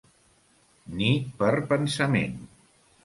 Ni per pensament.